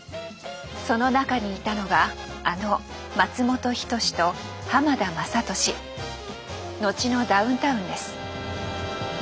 その中にいたのがあの松本人志と浜田雅功後のダウンタウンです。